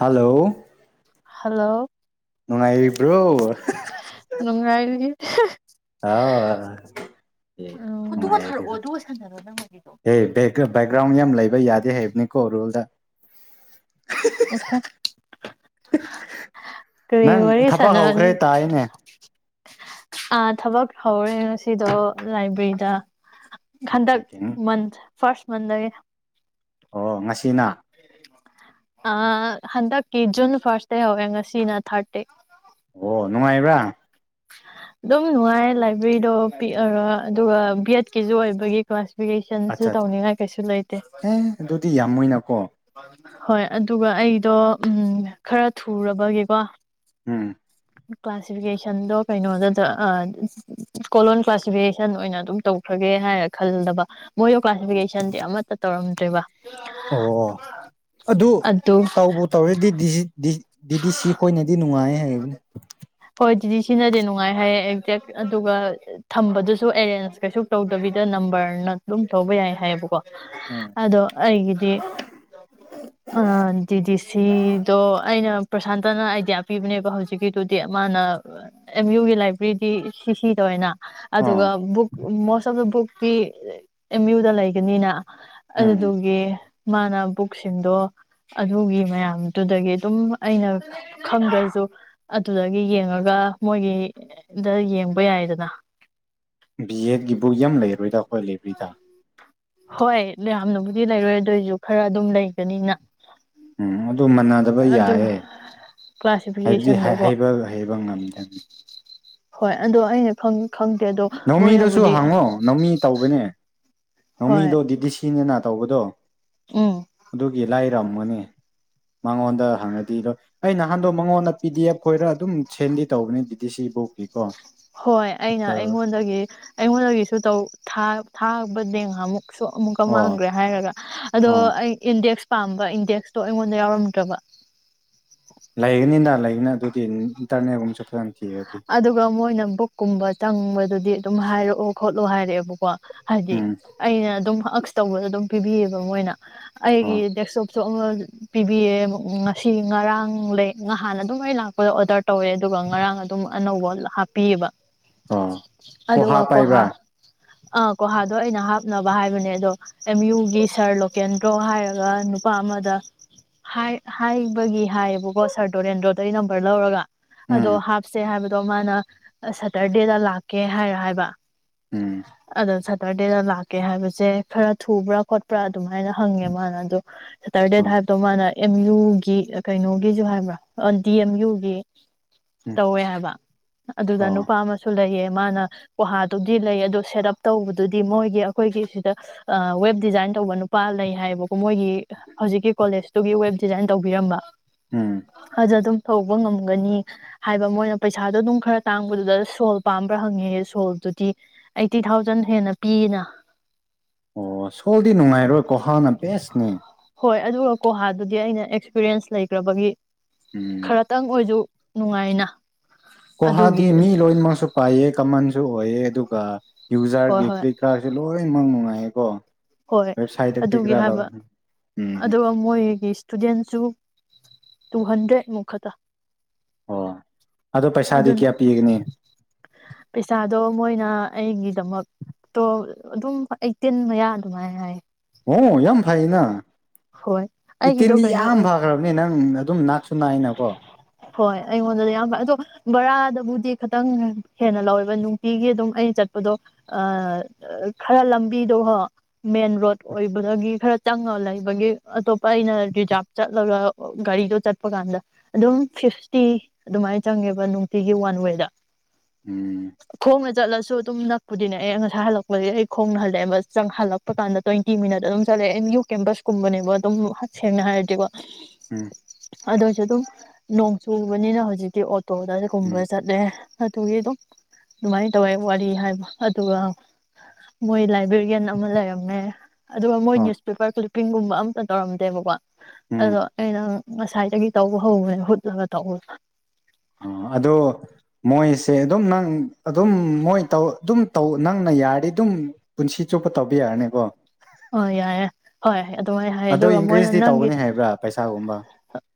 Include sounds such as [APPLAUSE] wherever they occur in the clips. hello hello ꯅꯨꯡꯉꯥꯏꯔꯤꯕ꯭ꯔꯣ ꯅꯨꯡꯉꯥꯏꯌꯦ ꯑ ꯑꯦ ꯅꯨꯡꯉꯥꯏꯔꯦꯗꯨꯗꯤ ꯑꯦ ꯕꯦꯛꯒ꯭ꯔꯥꯎꯟ ꯌꯥꯝ ꯂꯩꯕ ꯌꯥꯗꯦ ꯍꯥꯏꯕꯅꯤꯀꯣ ꯔꯨꯜꯗ ꯀꯔꯤ ꯅꯪ ꯋꯥꯔꯤ ꯊꯕꯛ ꯁꯟꯅ ꯍꯧꯈ꯭ꯔꯦ ꯇꯥꯏꯅꯦ ꯊꯕꯛ ꯍꯧꯔꯦ ꯉꯁꯤꯗꯣ ꯂꯥꯏꯕ꯭ꯔꯦꯔꯤꯗ ꯈꯟꯗ ꯑꯣꯀꯦ ꯑꯣꯀꯦ ꯃꯟ ꯐꯁ ꯃꯟꯦ ꯑꯣ ꯉꯁꯤꯅ ꯍꯟꯗꯛꯀꯤ ꯖꯨꯟ ꯐꯥꯔꯁꯇ ꯍꯧꯋꯦ ꯉꯁꯤꯅ ꯊꯥꯔꯠ ꯇꯩ ꯑꯣ ꯅꯨꯡꯉꯥꯏꯔꯤꯕ꯭ꯔꯥ ꯑꯗꯨꯝ ꯅꯨꯡꯉꯥꯏ ꯂꯥꯏꯕ꯭ꯔꯦꯔꯤꯗꯣ ꯄꯤꯛꯑꯒ ꯑꯗꯨꯒ ꯕꯤ ꯑꯦꯠꯀꯤꯁꯨ ꯑꯣꯏꯕꯒꯤ ꯀ꯭ꯂꯥꯁ ꯑꯠꯆꯥ ꯑꯠ ꯑꯦ ꯑꯗꯨꯗꯤ ꯌꯥꯝꯃꯣꯏꯅꯀꯣ ꯍꯣꯏ ꯑꯗꯨꯒ ꯑꯩꯗꯣ ꯎꯝ ꯈꯔ ꯊꯨꯔꯕꯒꯤꯀꯣ ꯎꯝ ꯀ꯭ꯂꯥꯁꯤꯐꯤꯀꯦꯁꯟꯗꯣ ꯀꯩꯅꯣꯗ ꯀꯣꯂꯂꯣꯟ ꯀ꯭ꯂꯥꯁꯤꯐꯤꯀꯦꯁꯟ ꯑꯣꯏꯅ ꯑꯗꯨꯝ ꯇꯧꯈ꯭ꯔꯒꯦ ꯍꯥꯏꯔ ꯈꯜꯂꯕ ꯃꯣꯏꯗ ꯀ꯭ꯂꯥꯁꯤꯐꯤꯀꯦꯁꯟꯗꯤ ꯑꯃꯠꯇ ꯇꯧꯔꯝꯗꯦ ꯆꯠꯇ꯭ꯔꯦꯕ ꯑꯣ ꯑꯗꯨ ꯇꯧꯕ ꯇꯧꯔꯦꯗꯤꯗꯤꯗꯤ ꯗꯤ ꯁꯤ ꯈꯣꯏꯅꯗꯤ ꯅꯨꯡꯉꯥꯏ ꯍꯥꯏꯕꯅꯦ ꯍꯣꯏ ꯗꯤꯗꯤꯁꯤꯅꯗꯤ ꯅꯨꯡꯉꯥꯏ ꯍꯥꯏꯌꯦ ꯑꯦꯛꯖꯦꯛ ꯑꯗꯨꯒ ꯊꯝꯕꯗꯨꯁꯨ ꯑꯦꯔꯦꯟꯖ ꯀꯩꯁꯨ ꯇꯧꯗꯕꯤꯗ ꯅꯝꯕꯔꯅ ꯑꯗꯨꯝ ꯇꯧꯕ ꯌꯥꯏ ꯍꯥꯏꯌꯦꯕꯀꯣ ꯎꯝ ꯑꯗꯣ ꯑꯩꯒꯤꯗꯤ ꯑ ꯗꯤꯗꯤ ꯁꯤꯗꯣ ꯑꯩꯅ ꯄ꯭ꯔꯁꯥꯟꯇꯅ ꯑꯥꯏꯗꯤꯌꯥ ꯄꯤꯕꯅꯦꯕ ꯍꯧꯖꯤꯛꯀꯤꯗꯨꯗꯤ ꯃꯥꯅ ꯑꯦꯝ ꯌꯨꯒꯤ ꯂꯥꯏꯕ꯭ꯔꯦꯔꯤꯗꯤ ꯁꯤ ꯁꯤ ꯇꯧꯋꯦꯅ ꯑꯥ ꯑꯗꯨꯒ book most of the book ꯤ ꯑꯦꯝ ꯌꯨꯗ ꯂꯩꯒꯅꯤꯅ ꯎꯝ ꯑꯗꯨꯗꯒꯦ ꯃꯥꯅ ꯕꯨꯛꯁꯤꯡꯗꯣ ꯑꯗꯨꯒꯤ ꯃꯌꯥꯝꯗꯨꯗꯒꯤ ꯑꯗꯨꯝ ꯑꯩꯅ ꯈꯪꯗ꯭ꯔꯁꯨ ꯑꯗꯨꯗꯒꯤ ꯌꯦꯡꯉꯒ ꯃꯣꯏꯒꯤꯗ ꯌꯦꯡꯕ ꯌꯥꯏꯗꯅ ꯕꯤ ꯑꯦꯠ ꯕꯨ ꯌ ꯂꯩꯔꯔꯣꯏꯗ ꯑꯩꯈꯣꯏ ꯂꯩꯕꯔꯤꯗ ꯍꯣꯏ ꯌꯥꯝꯅꯕꯨꯗꯤ ꯂꯩꯔꯣꯏꯗꯣꯏꯁꯨ ꯈꯔ ꯑꯗꯨꯝ ꯂꯩꯒꯅꯤꯅ ꯎꯝ ꯑꯗꯨ ꯃꯅꯗꯕ ꯑꯗꯨ ꯌꯥꯏꯑꯦ ꯀ꯭ꯂꯥꯁꯤꯐꯤꯀꯦꯁꯟꯗꯣꯀꯣ ꯉꯝꯗꯦ ꯍꯣꯏ ꯑꯗꯣ ꯑꯩꯅꯪ ꯅꯧꯃꯤꯗꯨꯁꯨ ꯍꯥꯡꯉꯣ ꯅꯧꯃꯤ ꯇꯧꯕꯅꯦ ꯍꯣꯏ ꯃꯃꯤꯗꯣ ꯤꯗꯤꯁꯤꯅꯅꯥ ꯇꯧꯕꯗꯣ ꯎꯝ ꯑꯗꯨꯗꯒꯤꯂ ꯔꯝꯒꯅꯤ ꯃꯉꯣꯟꯗ ꯍꯪꯉꯗꯤꯔꯣꯏ ꯑꯩ ꯅꯍꯥꯟꯗꯣ ꯃꯉꯣꯟꯗ ꯄꯤ ꯗꯤ ꯑꯦꯐ ꯈꯣꯏꯔ ꯑꯗꯨꯝ ꯁꯦꯟꯗꯤ ꯇꯧꯕꯅꯦ ꯗꯤꯗꯤ ꯁꯤ ꯕꯨꯣꯛꯀꯤ ꯀꯣ ꯍꯣꯏ ꯑꯩꯅ ꯑꯩꯉꯣꯟꯗꯒꯤ ꯑꯩꯉꯣꯟꯗꯒꯤꯁꯨ ꯇꯧ ꯊꯥꯕꯗ ꯉ ꯑꯃꯨꯛ ꯁꯨ ꯑꯃꯨꯛꯀ ꯑꯣ ꯃꯥꯡꯈ꯭ꯔꯦ ꯍꯥꯏꯔꯒ ꯑꯗꯣ ꯑꯣ ꯑꯩ ꯏꯟꯗꯦꯛꯁ ꯄꯥꯝꯕ ꯏꯟꯗꯦꯛꯁꯇꯣ ꯑꯩꯉꯣꯟꯗ ꯌꯥꯎꯔꯝꯗ꯭ꯔꯕ ꯂꯩꯒꯅꯤꯅ ꯂꯩꯒꯅꯤ ꯑꯗꯨꯗꯤ ꯏꯟꯇꯔꯅꯦꯜꯒꯨꯝꯕꯁꯨ ꯐꯥꯖꯅ ꯑꯗꯨꯒꯒ ꯃꯣꯏꯅꯕꯨ ꯀꯨꯝꯕ ꯆꯪꯕꯗꯨꯗꯤ ꯑꯗꯨꯝ ꯍꯥꯏꯔꯛꯑꯣ ꯈꯣꯠꯂꯣ ꯍꯥꯏꯔꯛꯑꯦꯕꯀꯣ ꯍꯧꯗꯤ ꯎꯝ ꯑꯩꯅ ꯑꯗꯨꯝ ꯑꯛꯁ ꯇꯧꯕꯗ ꯑꯗꯨꯝ ꯄꯤꯕꯤꯌꯦꯕ ꯃꯣꯏꯅ ꯑꯩꯒꯤ ꯑꯣ ꯗꯁꯣ ꯄꯤꯕꯤꯌꯦ ꯉꯁꯤ ꯉꯔꯥꯡ ꯂꯩ ꯅꯍꯥꯟ ꯑꯗꯨꯝ ꯑꯩ ꯂꯥꯛꯄꯗ ꯑꯣꯗꯔ ꯇꯧꯋꯦ ꯑꯗꯨꯒ ꯉꯔꯥꯡ ꯑꯗꯨ ꯑꯗꯨꯝ ꯑꯅꯧꯕ ꯍꯥꯞꯄꯤꯑꯕ ꯑ ꯀꯍꯥ ꯑꯗꯨꯒ ꯀꯣꯍꯥ ꯄꯥꯏꯕ ꯑꯥ ꯀꯒꯣꯍꯥꯗꯣ ꯑꯩꯅ ꯍꯥꯞꯅꯕ ꯍꯥꯏꯕꯅꯦ ꯑꯗꯣ ꯑꯦꯝ ꯌꯨꯒꯤ ꯁꯥꯔ ꯂꯣꯀꯦꯟꯗ꯭ꯔꯣ ꯍꯥꯏꯔꯒ ꯅꯨꯄꯥ ꯑꯃꯗ ꯍꯥꯏꯕꯒꯤ ꯍꯥꯏꯌꯦꯕꯀꯣ ꯁꯥꯔ ꯗꯣꯔꯦꯟꯗ꯭ꯔꯣꯗ ꯑꯩ ꯅꯝꯕꯔ ꯂꯧꯔꯒ ꯑꯗꯣ ꯎꯝ ꯍꯥꯏꯕꯗꯣ ꯃꯥꯅ ꯁꯇꯔꯗꯦꯗ ꯂꯥꯛꯀꯦ ꯍꯥꯏꯔ ꯍꯥꯏꯕ ꯎꯝ ꯑꯗꯣ ꯁꯠ ꯇꯔꯗꯦꯗ ꯂꯥꯛꯀꯦ ꯍꯥꯏꯕꯁꯦ ꯈꯔ ꯊꯨꯕ꯭ꯔꯥ ꯈꯣꯠꯄ꯭ꯔꯥ ꯑꯗꯨꯃꯥꯏꯅ ꯍꯪꯉꯦ ꯃꯥꯅ ꯑꯗꯣ ꯁꯦꯇꯔꯗꯦꯗ ꯑꯣ ꯍꯥꯏꯕꯗꯧ ꯃꯥꯅ ꯑꯦꯝ ꯌꯨꯒꯤ ꯀꯩꯅꯣꯒꯤꯁꯨ ꯍꯥꯏꯕ꯭ꯔꯥ ꯗꯤ ꯑꯦꯝ ꯌꯨꯒꯤ ꯎꯝ ꯇꯧꯋꯦ ꯍꯥꯏꯕ ꯑꯗꯨꯗ ꯑꯣ ꯅꯨꯄꯥ ꯑꯃꯁꯨ ꯂꯩꯌꯦꯦ ꯃꯥꯅ ꯀꯨꯍꯥꯗꯨꯗꯤ ꯂꯩ ꯑꯣ ꯁꯦꯠ ꯑꯞ ꯇꯧꯕꯗꯨꯗꯤ ꯃꯣꯏꯒꯤ ꯑꯩꯈꯣꯏꯒꯤ ꯁꯤꯗ ꯋꯦꯕ ꯗꯤꯖꯥꯏꯟ ꯇꯧꯕ ꯅꯨꯄꯥ ꯂꯩ ꯍꯥꯏꯕꯀꯣ ꯃꯣꯏꯒꯤ ꯍꯧꯖꯤꯛꯀꯤ ꯀꯣꯂꯦꯁꯇꯨꯒꯤ ꯋꯦꯕ ꯗꯤꯖꯥꯏꯟ ꯇꯧꯕꯤꯔꯝꯕ ꯎꯝ ꯍꯗ ꯑꯗꯨ ꯇꯧꯕ ꯉꯝꯒꯅꯤ ꯍꯥꯏꯕ ꯃꯣꯏꯅ ꯄꯩꯁꯥꯗꯣ ꯑꯗꯨꯝ ꯈꯔ ꯇꯥꯡꯕꯗꯨꯗ ꯁꯣꯜ ꯄꯥꯝꯕ꯭ꯔꯥ ꯍꯪꯉꯤꯍꯦ ꯁꯣꯜꯗꯨꯗꯤ ꯑꯩꯠꯇꯤ ꯊꯥꯎꯖꯟ ꯍꯦꯟꯅ ꯄꯤꯌꯦꯅ ꯄꯦꯁꯅꯤ ꯍꯣꯏ ꯑꯗꯨꯒ ꯀꯣꯍꯥꯗꯨꯗꯤ ꯑꯩꯅ ꯑꯦꯛꯁꯄꯤꯔꯤꯌꯦꯟꯁ ꯂꯩꯈ꯭ꯔꯕꯒꯤ ꯈꯔꯇꯪ ꯑꯣꯏꯁꯨ ꯅꯨꯡꯉꯥꯏꯅ ꯒꯍꯥꯗꯤ ꯑꯗꯨꯒꯤ ꯃꯤ ꯂꯣꯏꯅꯃꯛꯁꯨ ꯄꯥꯏꯑ ꯀꯃꯟꯁꯨ ꯍꯣꯏꯑꯦ ꯑꯗꯨꯒ ꯍꯣꯏ ꯌꯨꯖꯥꯔꯒꯤ ꯍꯣꯏ ꯀ꯭ꯔꯤꯞ ꯀꯥꯔꯠꯁꯨ ꯂꯣꯏꯅꯃꯛꯅꯨꯡꯉꯥꯏ ꯍꯥꯏꯀꯣ ꯍꯣꯏ ꯑꯗꯨꯒꯤ ꯍꯥꯏꯕ ꯎꯝ ꯑꯗꯨꯒ ꯃꯣꯏꯒꯤ ꯏꯁꯇꯨꯗꯦꯟꯁꯨ ꯇꯨ ꯍꯟꯗ꯭ꯔꯦꯠ ꯃꯨ ꯈꯛꯇ ꯑꯣ ꯑꯗꯣ ꯄꯩꯁꯥꯗꯤ ꯑꯗꯨꯅ ꯀꯌꯥ ꯄꯤꯒꯅꯤ ꯄꯩꯁꯥꯗꯣ ꯃꯣꯏꯅ ꯑꯩꯒꯤꯗꯃꯛꯇꯣ ꯑꯗꯨꯝ ꯑꯩꯇꯤꯟ ꯃꯌꯥꯗ ꯁꯃꯥꯏ ꯍꯥꯏ ꯑꯣ ꯌꯥꯝ ꯐꯩꯅ ꯍꯣꯏ ꯑꯩꯒꯤꯗꯣ ꯏꯇꯤꯟꯗꯤ ꯀꯩꯅꯣ ꯌꯥꯝ ꯑꯣꯏ ꯐꯈ꯭ꯔꯕꯅꯦ ꯅꯪ ꯑꯗꯨꯝ ꯅꯥꯛꯁꯨ ꯅꯥꯏꯅꯀꯣ ꯍꯣꯏ ꯑꯩꯉꯣꯟꯗꯗꯤ ꯌꯥꯝ ꯐ ꯑꯗꯣ ꯕꯔꯥꯗꯕꯨꯗꯤ ꯈꯤꯇꯪ ꯍꯦꯟꯅ ꯂꯧꯋꯦꯕ ꯅꯨꯡꯇꯤꯒꯤ ꯑꯗꯨꯝ ꯑꯩꯅ ꯆꯠꯄꯗꯣ ꯈꯔ ꯂꯝꯕꯤꯗꯣ ꯍꯣ ꯃꯦꯟ ꯔꯣꯗ ꯑꯣꯏꯕꯗꯒꯤ ꯈꯔ ꯆꯪꯉꯒ ꯂꯩ ꯒꯤ ꯑꯇꯣꯞꯄ ꯑꯩꯅ ꯔꯤꯖꯥꯚ ꯆꯠꯂꯒ ꯒꯥꯔꯤꯗꯣ ꯆꯠꯄ ꯀꯥꯟꯗ ꯑꯗꯨꯝ ꯐꯤꯐꯇꯤ ꯑꯗꯨꯃꯥꯏꯅ ꯆꯪꯉꯦꯕ ꯅꯨꯡꯇꯤꯒꯤ ꯋꯥꯟ ꯋꯦꯗ ꯎꯝ ꯈꯣꯡꯅ ꯆꯠꯂꯁꯨ ꯑꯗꯨꯝ ꯅꯛꯄꯨꯗꯤꯅꯦ ꯑꯩ ꯉꯁꯥꯏ ꯍꯜꯂꯛꯄꯗꯒꯤ ꯑꯩ ꯈꯣꯡꯅ ꯍꯜꯂꯛꯑꯦꯕ ꯆꯪ ꯍꯜꯂꯛꯄ ꯀꯥꯟꯗ ꯇ꯭ꯋꯦꯟꯇꯤ ꯃꯤꯅꯠ ꯑꯗꯨꯝ ꯆꯠꯂꯦ ꯑꯦꯝ ꯌꯨ ꯀꯦꯝꯄꯁ ꯀꯨꯝꯕꯅꯦꯕꯣ ꯑꯗꯨꯝ ꯍ ꯁꯦꯡꯅ ꯍꯥꯏꯔꯗꯤꯀꯣ ꯎꯝ ꯑꯗꯨ ꯑꯣꯏꯁꯨ ꯑꯗꯨꯝ ꯅꯣꯡ ꯆꯨꯕꯅꯤꯅ ꯍꯧꯖꯤꯛꯇꯤ ꯇꯣꯗꯁꯦ ꯎꯝ ꯀꯨꯝꯕꯔ ꯆꯠꯦ ꯑꯗꯨꯒꯤ ꯑꯗꯨꯝ ꯑꯗꯨꯃꯥꯏꯅ ꯇꯧꯋꯦ ꯋꯥꯔꯤ ꯍꯥꯏꯕ ꯑꯗꯨꯒ ꯃꯣꯏ ꯂꯥꯏꯕ꯭ꯔꯦꯔꯤꯌꯥꯟ ꯑꯃ ꯂꯩꯔꯝꯃꯦ ꯑꯗꯨꯒ ꯃꯣꯏ ꯑꯣ ꯅ꯭ꯌꯨꯁꯄꯦꯄꯔ ꯀꯤꯡꯒꯨꯝꯕ ꯑꯝꯇ ꯇꯧꯔꯝꯗꯦꯕꯀꯣ ꯎꯝ ꯑꯗꯣꯩꯅ ꯉꯁꯥꯏꯗꯒꯤ ꯇꯧꯕ ꯍꯧꯧꯕꯅꯦ ꯍꯨꯠꯂꯒ ꯇꯧꯋ ꯑ ꯑꯗꯣ ꯃꯣꯏꯁꯦ ꯑꯗꯨꯝ ꯅꯪ ꯑꯗꯨꯝ ꯃꯣꯏ ꯇꯧ ꯑꯗꯨꯝ ꯅꯪꯅ ꯌꯥꯔꯗꯤ ꯑꯗꯨꯝ ꯄꯨꯟꯁꯤ ꯆꯨꯞꯄ ꯇꯧꯕ ꯌꯥꯔꯅꯤꯕꯣ ꯑ ꯌꯥꯏꯌꯦ ꯍꯣꯏ ꯍ ꯑꯗꯨꯃꯥꯏꯅ ꯍꯥꯏꯌꯦ ꯑꯗꯣ ꯑꯗꯨꯒ ꯃꯣꯏꯅ ꯏꯟꯀ꯭ꯔꯤꯁꯇꯤ ꯅꯪꯒꯤ ꯇꯧꯒꯅꯤ ꯍꯥꯏꯕ꯭ꯔꯥ ꯄꯩꯁꯥꯒꯨꯝꯕ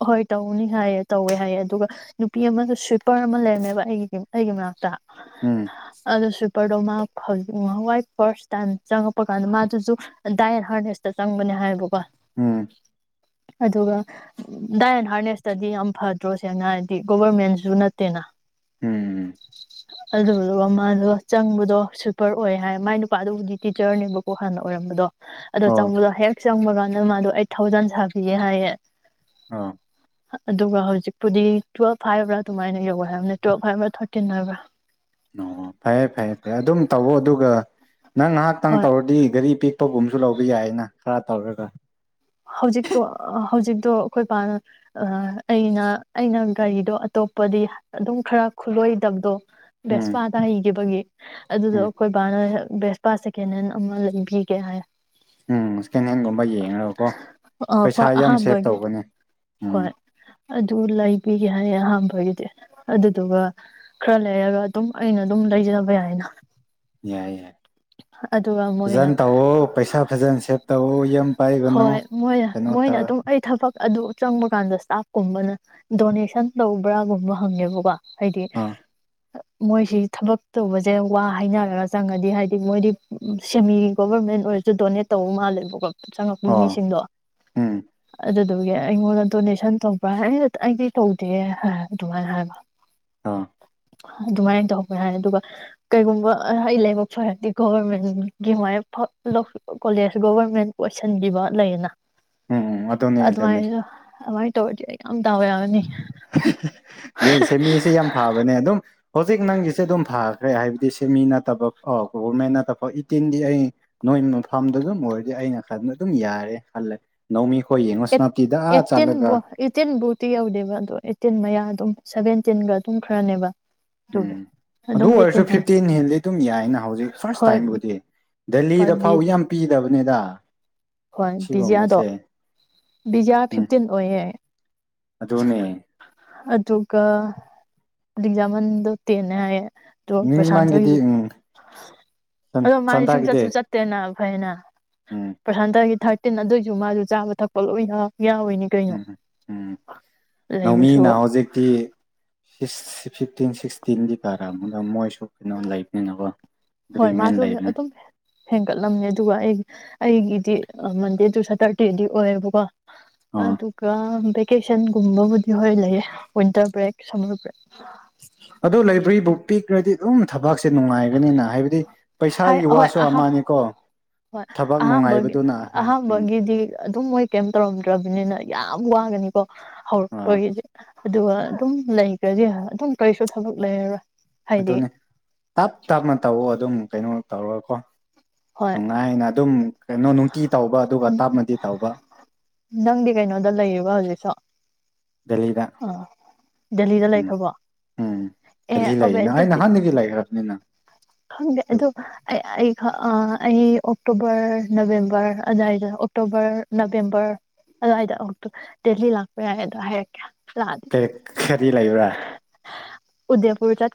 ꯍꯣꯏ ꯇꯧꯅꯤ ꯍꯥꯏꯌꯦ ꯇꯧꯋꯦ ꯍꯥꯏꯌꯦ ꯑꯗꯨꯒ ꯅꯨꯄꯤ ꯑꯃꯃ ꯁ ꯄꯔ ꯑꯃ ꯂꯩꯔꯝꯃꯦꯕ ꯑꯩꯒꯤꯗꯤꯝ ꯍꯦꯒꯤ ꯃꯥꯛꯇꯥ ꯎꯝ ꯑꯗꯣꯁꯨ ꯗꯣ ꯃꯥ ꯍꯋꯥꯏ ꯐꯥꯔꯁ ꯇꯥꯏꯝ ꯆꯪꯉꯛꯄ ꯀꯥꯟꯗ ꯃꯥꯗꯨꯁꯨ ꯗꯥꯏꯠ ꯍꯥꯔꯅꯦꯦꯁꯇ ꯆꯪꯕꯅꯦ ꯍꯥꯏꯌꯦꯕꯀꯣ ꯎꯝ ꯑꯗꯨꯒ ꯗꯥꯏ ꯑꯦꯟ ꯍꯥꯔꯅꯦꯁꯇꯗꯤ ꯌꯥꯝ ꯐꯗ꯭ꯔꯣ ꯁꯦꯡꯅ ꯍꯥꯏꯗꯤ ꯒꯣꯚꯔꯃꯦꯟꯁꯨ ꯅꯠꯇꯦꯅ ꯍꯝ ꯑꯗꯨꯗꯨꯒ ꯃꯥꯗꯣ ꯆꯪꯕꯗꯣ ꯁꯨꯄꯔ ꯑꯣꯏ ꯍꯥꯏ ꯃꯥꯏ ꯅꯨꯄꯥꯗꯨꯕꯨꯗꯤ ꯇꯤꯆꯔꯅꯦꯕꯀꯣ ꯍꯥꯟꯅ ꯑꯣꯏꯔꯝꯕꯗꯣ ꯑꯗꯣ ꯑꯣ ꯆꯨꯂ ꯍꯦ ꯆꯪꯕ ꯀꯥꯟꯗ ꯃꯥꯗꯣ ꯑꯩꯠ ꯊꯥꯎꯖꯟ ꯁꯥꯕꯤꯌꯦꯦ ꯍꯥꯏꯌꯦ ꯑꯥ ꯑꯗꯨꯒ ꯍꯧꯖꯤꯛꯄꯨꯗꯤ ꯇꯨꯋꯦꯜꯐ ꯍꯥꯏꯕ꯭ꯔꯥ ꯑꯗꯨꯃꯥꯏꯅ ꯌꯧꯒ ꯍꯥꯏꯕꯅꯤ ꯇꯨꯋꯦꯜꯞ ꯍꯥꯏꯕ꯭ꯔꯥ ꯊꯥꯔꯇꯤꯟ ꯍꯥꯏꯕ꯭ꯔꯥ ꯑꯣ ꯐꯔꯦ ꯐꯔꯦ ꯐꯔꯦ ꯑꯗꯨꯝ ꯇꯧꯋ ꯑꯗꯨꯒ ꯅꯪ ꯉꯥꯏꯍꯥꯛꯇꯪ ꯍꯣꯏ ꯇꯧꯔꯗꯤ ꯒꯥꯔꯤ ꯄꯦꯛꯄꯒꯨꯝꯕꯁꯨ ꯂꯧꯕ ꯌꯥꯏꯅ ꯈꯔ ꯇꯧꯔꯦꯒ ꯍꯧꯖꯤꯛꯇꯣ ꯍꯧꯖꯤꯛꯇꯣ ꯑꯩꯈꯣꯏ ꯑꯩꯅ ꯑꯩꯅ ꯒꯥꯔꯤꯗꯣ ꯑꯇꯣꯞꯄꯗꯤ ꯑꯗꯨꯝ ꯈꯔ ꯈꯨꯠꯂꯣꯏꯗꯕꯗꯣ ꯎꯝ ꯕꯦꯁꯄꯥꯥꯗ ꯍꯩꯈꯤꯕꯒꯤ ꯑꯗꯨꯗꯣ ꯎꯝ ꯑꯩꯈꯣꯏꯕꯥꯅ ꯕꯦꯁꯄꯥ ꯁꯦꯀꯦꯟ ꯍꯦꯟ ꯑꯃ ꯂꯩꯕꯤꯒꯦ ꯍꯥꯏ ꯎꯝꯀ ꯍꯪꯒꯨꯝꯕꯒꯤꯦ ꯊꯦꯡꯅꯀꯣ ꯄꯩꯁꯥ ꯌꯥꯝ ꯁꯦꯚ ꯑꯍꯥꯝꯕꯒꯤꯗꯤ ꯇꯧꯒꯅꯤ ꯎꯝ ꯑꯗꯨꯨ ꯂꯩꯕꯤꯒꯦ ꯍꯥꯏꯌꯦ ꯑꯍꯥꯟꯕꯒꯤꯗꯤ ꯑꯗꯨꯗꯨꯒ ꯈꯔ ꯂꯩꯔꯒ ꯑꯗꯨꯝ ꯑꯩꯅ ꯑꯗꯨꯝ ꯂꯩꯖꯕ ꯌꯥꯏꯅ ꯌꯥꯏ ꯌꯥꯏ ꯑꯗꯨꯒ ꯃꯣꯏꯅ ꯐꯖꯅ ꯇꯧꯋ ꯄꯩꯁꯥ ꯐꯖꯅ ꯁꯦꯚ ꯇꯧꯋ ꯌ ꯄꯥꯏ ꯍꯣꯏ ꯃꯣꯏꯅ ꯃꯣꯏꯅ ꯑꯗꯨꯝ ꯑꯩ ꯊꯕꯛ ꯑꯗꯨ ꯆꯪꯕ ꯀꯥꯟꯗ ꯏꯁꯇꯥꯐꯀꯨꯝꯕꯅ ꯗꯣꯅꯦꯁꯟ ꯇꯧꯕ꯭ꯔꯥꯒꯨꯝꯕ ꯍꯪꯉꯦꯕꯀꯣ ꯍꯥꯏꯗꯤ ꯑꯥ ꯃꯣꯏꯁꯤ ꯊꯕꯛ ꯇꯧꯕꯁꯦ ꯋꯥ ꯍꯥꯏꯅꯔꯒ ꯆꯪꯉꯗꯤ ꯍꯥꯏꯗꯤ ꯃꯣꯏꯗꯤ ꯁꯦꯝꯃꯤ ꯒꯣꯕꯔꯃꯦꯟ ꯑꯣꯏꯔꯁꯨ ꯗꯣꯅꯦꯠ ꯇꯧꯕ ꯃꯥꯜꯂꯦꯕ ꯑꯣ ꯃꯤꯁꯤꯡꯗꯣ ꯎꯝ ꯑꯗꯨ ꯑꯗꯨꯒꯤ ꯑꯩꯉꯣꯟꯗ ꯗꯣꯅꯦꯁꯟ ꯇꯧꯕ꯭ꯔꯥ ꯑꯩꯗꯤ ꯇꯧꯗꯦ ꯍꯥꯏ ꯑꯗꯨꯃꯥꯏꯅ ꯍꯥꯏꯕ ꯑ ꯑꯗꯨꯃꯥꯏꯅ ꯇꯧꯕꯧꯕ ꯌꯥꯔꯦ ꯑꯗꯨꯒ ꯀꯩꯒꯨꯝꯕ ꯑꯩ ꯂꯥꯏꯕꯛ ꯐꯔꯗꯤ ꯒꯣꯚꯔꯃꯦꯟꯒꯤ ꯃꯥꯏ ꯀꯣꯂꯦꯖ ꯒꯣꯚꯔꯃꯦꯟ ꯇꯩꯁꯟꯕꯤꯕ ꯂꯩꯌꯦꯅ ꯎꯝ ꯑꯗꯨꯗꯣꯅꯦ ꯑꯗꯨꯅꯤ ꯇꯧꯔꯖꯑꯒ ꯁꯦꯃꯤꯁꯦ ꯌꯥꯝ ꯐꯕꯅꯦ ꯑꯗꯨꯝ ꯍꯧꯖꯤꯛ ꯅꯪꯒꯤꯁꯦ ꯑꯗꯨꯝ ꯐꯥꯈ꯭ꯔꯦ ꯍꯥꯏ ꯁꯤꯃꯤ ꯅꯠꯇꯕ ꯑꯣ ꯒꯣꯚꯔꯃꯦꯟ ꯅꯠꯇꯕ ꯏꯇꯤꯟꯗꯤ ꯑꯩ ꯅꯣꯏ ꯃꯐꯝꯗ ꯑꯗꯨꯝ ꯑꯣꯏꯔꯗꯤ ꯑꯩꯅ ꯈ ꯑꯗꯨꯝ ꯌꯥꯔꯦ ꯈꯜꯂꯦꯃꯤ ꯑꯩꯈꯣꯏ ꯌꯦꯡꯉꯣ ꯁꯅꯥꯇꯤꯗ ꯑꯥ ꯆꯠꯂꯒ ꯐꯇꯤ ꯌꯧꯗꯦꯕ ꯑꯗꯣ ꯑꯩꯠꯇꯤꯟ ꯃꯌꯥ ꯑꯗꯨꯝ ꯁꯚꯦꯟꯇꯤꯟꯒ ꯑꯗꯨꯝ ꯈꯔꯅꯦꯕ ꯑꯗꯨꯒꯤ ꯎꯝ ꯑꯗꯨ ꯑꯗꯨꯝ ꯑꯣꯏꯔꯁꯨ ꯑꯩꯠꯇꯤꯟ ꯍꯥꯏ ꯐꯤꯞꯇꯤꯟ ꯍꯦꯟꯗꯤ ꯑꯗꯨꯝ ꯌꯥꯏꯅ ꯍꯧꯖꯤꯛ ꯐꯥꯔꯁ ꯍꯣꯏ ꯇꯥꯏꯝꯕꯨꯗꯤ ꯍꯣꯏ ꯗꯦꯜꯂꯤꯗ ꯐꯥꯎ ꯕꯤ ꯌꯥꯝ ꯄꯤꯗꯕ ꯅꯦꯗꯥ ꯍꯣꯏ ꯕꯤꯖꯤꯌꯥꯗꯣ ꯕꯤꯌꯥ ꯎꯝ ꯐꯤꯐꯇꯤꯟ ꯑꯣꯏꯌꯦꯦ ꯑꯗꯨꯅꯦ ꯑꯗꯨꯒ [UNINTELLIGIBLE] ꯇꯦꯅꯦ ꯍꯥꯏꯌꯦ ꯑꯗ ꯃꯤꯃꯥꯡꯒꯤꯗꯤ ꯄ꯭ꯔꯁꯥꯟꯇꯒꯤꯁꯨ ꯎꯝ ꯑꯗꯣ ꯃꯥꯗꯤ ꯁꯨꯝ ꯁꯟꯇꯥꯒꯤꯗꯤ ꯆꯠꯁꯨ ꯆꯠꯇꯦꯅ ꯐꯩꯅ ꯎꯝ ꯄ꯭ꯔꯁꯥꯟꯇꯒꯤ ꯊꯥꯔ ꯇꯤꯟ ꯑꯗꯨꯏꯁꯖꯨ ꯃꯥꯁꯨ ꯆꯥꯕ ꯊꯛꯄ ꯂꯣꯏꯅ ꯌꯥꯎꯔꯤꯅꯤ ꯀꯩꯅꫭ ꯎꯝ ꯎꯝ ꯂꯧꯃꯤꯅ ꯍꯧꯖꯤꯛꯇꯤ ꯐꯤꯁ ꯐꯤꯞꯇꯤꯟ ꯁꯤꯛꯁꯇꯤꯟꯗꯤ ꯄꯥꯔꯥ ꯑꯃꯒ ꯃꯣꯏ ꯍꯣꯏ ꯃꯥꯁꯨ ꯂꯩꯕꯅꯤ ꯑꯗꯨꯝ ꯍꯦꯟꯒꯠꯂꯝꯃꯦ ꯑꯗꯨꯒ ꯑꯩ ꯑꯩꯒꯤꯗꯤ ꯃꯟꯗꯦ ꯇꯨ ꯁꯦꯇꯔꯗꯦꯗꯤ ꯑꯣꯏꯌꯦꯕꯀꯣ ꯑꯣ ꯑꯗꯨꯒ ꯕꯦꯛ ꯚꯦꯀꯦꯁꯟꯒꯨꯝꯕꯕꯨꯗꯤ ꯍꯣꯏ ꯂꯩꯌꯦ ꯋꯤꯟꯇꯔ ꯕ꯭ꯔꯦꯛ ꯁꯝꯃꯔ ꯕ꯭ꯔꯦꯛ ꯑꯗꯣ ꯂꯥꯏꯕ꯭ꯔꯔ ꯕꯨꯛ ꯄꯤꯛꯈ꯭ꯔꯗꯤ ꯑꯗꯨꯝ ꯊꯕꯛꯁꯦ ꯅꯨꯡꯉꯥꯏꯕꯅꯤꯅ ꯍꯥꯏꯕꯗꯤ ꯍꯥꯏ ꯄꯩꯁꯥꯒꯤ ꯍꯣꯏ ꯋꯥꯁꯨ ꯑ ꯑꯃꯅꯤꯀꯣ ꯍꯣꯏ ꯊꯕꯛ ꯑꯍꯥꯝꯕꯒꯤ ꯅꯨꯡꯉꯥꯏꯕꯗꯨꯅ ꯎꯝ ꯑꯍꯥꯝꯕꯒꯤꯗꯤ ꯑꯗꯨꯝ ꯃꯣꯏ ꯀꯩꯝ ꯇꯧꯔꯝꯗ꯭ꯔꯕꯅꯤꯅ ꯌꯥꯝ ꯌꯥꯝ ꯋꯥ ꯒꯅꯤ ꯀꯣ ꯑꯥ [UNINTELLIGIBLE] ꯑꯗꯨꯒ ꯑꯗꯨꯝ ꯂꯩꯈ꯭ꯔꯗꯤ ꯑꯗꯨꯝ ꯀꯔꯤꯁꯨ ꯊꯕꯛ ꯂꯩꯔꯔꯣꯏ ꯍꯥꯏꯗꯤ ꯑꯗꯨꯅꯤ ꯇꯞ ꯇꯞꯅ ꯇꯧꯑꯣ ꯑꯗꯨꯝ ꯀꯩꯅꯣ ꯇꯧꯔꯒ ꯀꯣ ꯍꯣꯏ ꯅꯨꯡꯉꯥꯏꯅ ꯑꯗꯨꯝ ꯀꯩꯅꯣ ꯅꯨꯡꯇꯤ ꯇꯧꯕ ꯑꯗꯨꯒ ꯇꯥꯞꯅꯗꯤ ꯇꯧꯕ ꯅꯪꯗꯤ ꯀꯩꯅꯣꯗ ꯂꯩꯔꯤꯕ ꯍꯧꯖꯤꯛꯁꯨ ꯗꯦꯜꯂꯤꯗ ꯑꯥ ꯗꯦꯜꯂꯤꯗ ꯎꯝ ꯂꯩꯈ꯭ꯔꯕꯣ ꯎꯝ ꯑꯦ ꯗꯦꯜꯂꯤ ꯑꯕꯦ ꯂꯩꯌꯦꯅ ꯑꯩ ꯑꯗꯨꯗꯤ ꯅꯍꯥꯟꯗꯒꯤ ꯂꯩꯈ꯭ꯔꯕꯅꯤꯅ ꯈꯪꯗꯦ ꯑꯗꯨ ꯑꯩ ꯑ ꯑꯩ ꯑꯣꯛꯇꯣꯕꯔ ꯅꯕꯦꯝꯕꯔ ꯑꯗꯨꯏꯗ ꯑꯣꯛꯇꯣꯕꯔ ꯅꯕꯦꯝꯕꯔ ꯑꯗꯨꯏꯗ ꯗꯦꯜꯂꯤ ꯂꯥꯛꯄ ꯌꯥꯏ ꯑꯗꯣ ꯍꯥꯏꯔꯛꯀꯦ ꯂꯥꯛꯑꯗꯤ ꯀ ꯀꯔꯤ ꯂꯩꯕꯔꯥ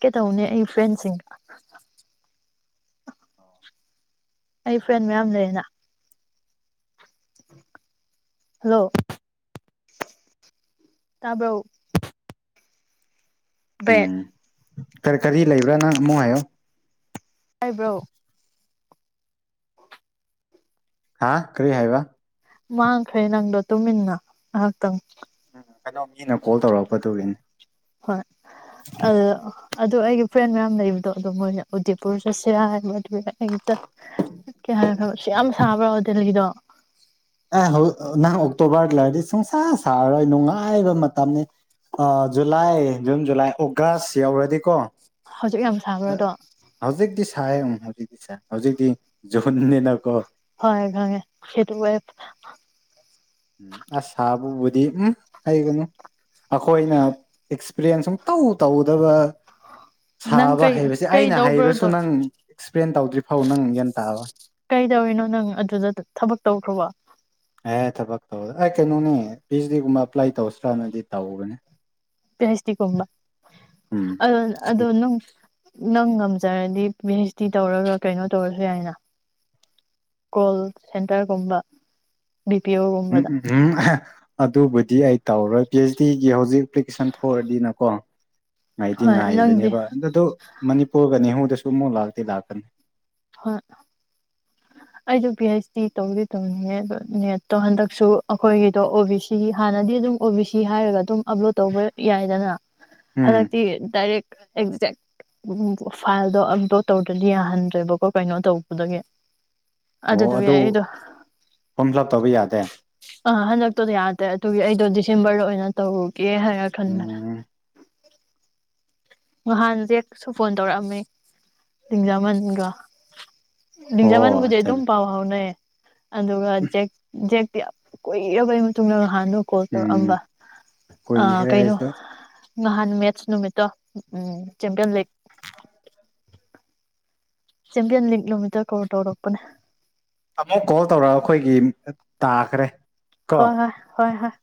ꯀꯦ ꯇꯧꯅꯦ ꯑꯩ ꯐ꯭ꯔꯦꯟꯁꯤꯡ ꯑꯩ ꯐ꯭ꯔꯦꯟ ꯃꯌꯥꯝ ꯂꯩꯌꯦꯅ ꯍꯜꯂꯣ ꯇꯥꯕꯔ‌ꯣ ꯕꯦ ꯎꯝ ꯀꯔꯤ ꯀꯔꯤ ꯂꯩꯕ꯭ꯔꯥ ꯅꯪ ꯃꯨꯛ ꯍꯥꯏꯌꯣ ꯍꯥꯏꯕ꯭ꯔꯣ ꯍꯥꯥ ꯀꯔꯤ ꯍꯥꯏꯕ ꯃꯥꯡꯈ꯭ꯔꯦ ꯅꯪꯗꯣ ꯇꯨꯃꯤꯟꯅ ꯉꯥꯏꯍꯥꯛꯇꯪ ꯀꯩꯅꯣ ꯃꯤꯅ ꯀꯣꯜ ꯇꯧꯔꯛꯄꯗꯨꯒꯤꯅꯤ ꯍꯣꯏ ꯑꯗꯨ ꯑꯗꯣ ꯑꯩꯒꯤ ꯐ꯭ꯔꯦꯟ ꯃꯌꯥꯝ ꯂꯩꯕꯗꯣ ꯑꯗꯣ ꯃꯣꯏꯅ ꯎꯗꯤꯄꯨꯔ ꯆꯁꯤꯔꯥ ꯍꯥꯏꯕ ꯑꯗꯨ [UNINTELLIGIBLE] ꯑꯩ ꯀꯩ ꯍꯥꯏꯅ ꯁꯨꯛ ꯌꯥꯝ ꯁꯥꯕ꯭ꯔꯣ ꯗꯦꯜꯂꯤꯗꯣ [INAUDIBLE] ꯑꯦ ꯅꯪ ꯑꯣꯛꯇꯣꯕꯔꯗ ꯂꯩꯔꯗꯤ ꯁꯨꯡꯁꯥ ꯁꯥꯔꯔꯣꯏ ꯅꯨꯡꯉꯥꯏꯕ ꯃꯇꯝꯅꯤ ꯖꯨꯂꯥꯏ ꯖꯨꯟ ꯖꯨꯂꯥꯏ ꯑꯣꯒꯁ ꯌꯧꯔꯗꯤꯀꯣ ꯍꯧꯖꯤꯛ ꯌꯥꯝ ꯁꯥꯕꯔ ꯑꯗꯣ ꯁꯥꯏꯌ‌ꯦ ꯎꯝ ꯍꯧꯖꯤꯛꯇꯤ ꯁꯥꯏꯌ‌ꯦ ꯍꯧꯖꯤꯛꯇꯤ ꯖꯨꯟꯅꯤꯅ ꯀ‌ꯣ ꯈꯪꯉ‌ꯦ ꯈꯪꯉ‌ꯦ ꯍꯤꯠ ꯋ‌ꯦꯞ ꯑꯁ ꯁꯥꯕꯕꯨꯗꯤ ꯎꯝ ꯍꯥꯏꯔꯨꯅꯨ ꯑꯩꯈꯣꯏꯅ ꯄ꯭ꯔꯦꯟ ꯁꯨꯝ ꯇꯧ ꯇꯧꯗꯕ ꯅꯪ ꯁꯥꯕ ꯀꯩ ꯍꯩꯕꯁꯦ ꯑꯩꯅ ꯍꯩꯔꯁꯨ ꯀꯩꯗꯧꯕ꯭ꯔꯣꯗꯣ ꯅꯪ ꯑꯦꯛꯁꯄ꯭ꯂꯦꯟ ꯇꯧꯗ꯭ꯔꯤ ꯐꯥꯎ ꯅꯪ ꯒ꯭ꯌꯥꯟ ꯇꯥꯕ ꯀꯩꯗꯧꯔꯤꯅꯣ ꯅꯪ ꯑꯗꯨꯗ ꯊꯕꯛ ꯇꯧꯈ꯭ꯔꯕ‌ꯣ ꯑꯦ ꯊꯕꯛ ꯇꯧ ꯑꯩ ꯀꯩꯅꯣꯅꯦ ꯄꯤ ꯑꯩꯁ ꯗꯤꯒꯨꯝꯕ ꯑꯦꯄ꯭ꯂꯥꯏ ꯇꯧꯁꯤ꯭ꯔꯅꯗꯤ ꯇꯧꯕꯅꯦ ꯄꯤ ꯑꯩꯁ ꯇꯤ ꯀꯨꯝꯕ ꯎꯝ ꯑ ꯑꯗꯨ ꯁꯤꯗ ꯅꯪ ꯅꯪ ꯉꯝꯖꯔꯗꯤ ꯄꯤ ꯍꯩꯆ ꯗꯤ ꯇꯧꯔꯒ ꯀꯩꯅꯣ ꯇꯧꯔꯁꯨ ꯌꯥꯏꯅ ꯀꯣꯜ ꯁꯦꯟꯇꯔꯒꯨꯝꯕ ꯕꯤ ꯄꯤ ꯎꯝ ꯑꯣꯒꯨꯝꯕꯗ ꯎꯝ ꯑꯗꯨꯕꯨꯗꯤ ꯑꯩ ꯇꯧꯔꯣꯏ ꯄꯤ ꯑꯩꯆ ꯗꯤꯒꯤ ꯍꯧꯖꯤꯛ ꯑꯦꯄ꯭ꯂꯤꯀꯦꯁꯟ ꯊ‌ꯣꯔꯗꯤꯅꯀꯣ ꯉꯥꯏꯗꯤ ꯍꯣꯏ ꯅꯪꯗꯤ ꯉꯥꯏꯕꯅꯦꯕ ꯑ ꯑꯗꯨ ꯃꯅꯤꯄꯨꯔꯒꯅꯤ ꯅ‌ꯦꯍꯨ ꯒ ꯁꯨꯃꯣ ꯂꯥꯛꯇꯤ ꯂꯥꯛꯀꯅꯤ ꯍꯣꯏ ꯑꯩꯁꯨ ꯄꯤ ꯑꯩꯩꯆ ꯗꯤ ꯇꯧꯗꯤ ꯇꯧꯅꯤꯡꯉꯦ ꯑꯗꯣ ꯅꯦꯠꯇꯣ ꯍꯟꯗꯛꯁꯨ ꯑꯩꯈꯣꯏꯒꯤꯗꯣ ꯑꯣ ꯕꯤ ꯁꯤ ꯍꯥꯟꯅꯗꯤ ꯑꯗꯨꯝ ꯑꯣ ꯕꯤ ꯁꯤ ꯍꯥꯏꯔꯒ ꯑꯗꯨꯝ ꯑꯞꯂꯣꯗ ꯇꯧꯕ ꯌꯥꯏꯗꯅ ꯎꯝ ꯍꯟꯗꯛꯇꯥ ꯗꯥꯏꯔ‌ꯦꯛ ꯑꯦꯛꯖꯦꯛ ꯐꯥꯏꯜꯗꯣ ꯑꯞꯂꯣꯗ ꯇꯧꯗ꯭ꯔꯗꯤ ꯌꯥꯍꯟꯗ꯭ꯔꯦꯕꯀꯣ ꯀꯩꯅꯣ ꯇꯧꯕꯗꯨꯒꯤ ꯑꯣ ꯑꯗꯨ ꯐꯣꯝ ꯐꯤꯜ ꯑꯞ ꯇꯧꯕ ꯌꯥꯗꯦ ꯑ ꯍꯟꯗꯛꯇꯣꯗꯤ ꯌꯥꯗꯦ ꯑꯗꯨꯒꯤ ꯑꯩꯗꯣ ꯗꯤꯁꯦꯝꯕꯔꯗ ꯑꯣꯏꯅ ꯇꯧꯒꯦ ꯀ ꯍꯥꯏ ꯊꯅ ꯎꯝ ꯅꯍꯥꯟꯁꯦꯁꯨ ꯐꯣꯟ ꯇꯧꯔꯛꯑꯃꯤ ꯂꯤꯡꯖꯃꯟꯒ ꯑꯣ ꯂꯤꯡꯖꯥꯃꯟꯕꯨꯖꯩ ꯑꯠꯆꯥ ꯑꯗꯨꯝ ꯄꯥꯎ ꯍꯥꯎꯅꯦ ꯑꯗꯨꯒ ꯖ ꯖ ꯀꯣꯏꯔ ꯀ ꯇꯅ ꯅꯍꯥꯟꯅ ꯀꯣꯜ ꯎꯝ ꯇꯧꯔꯛꯑꯝꯕ ꯑ ꯀꯨꯏꯈ꯭ꯔꯦ ꯀꯩꯅꯣ ꯑꯩꯁꯨ ꯅꯍꯥꯟ ꯃꯦꯠꯁ ꯅꯨꯃꯤꯠꯇꯣ ꯎꯝ ꯆꯝꯄꯤꯌꯟ ꯂꯤꯦꯛ ꯆꯦꯝꯄꯤꯌꯟ ꯂꯤꯒ ꯅꯨꯃꯤꯠꯇ ꯀꯧ ꯇꯧꯔꯛꯄꯅꯦ ꯑꯃꯥꯃꯨꯛ ꯀꯣꯜ ꯇꯧꯔ ꯑꯩꯈꯣꯏꯒꯤ ꯇꯥꯈ꯭ꯔꯦ ꯀꯣ ꯍꯣꯏ ꯍꯣꯏ ꯍꯣꯏ ꯍꯣꯏ [INAUDIBLE]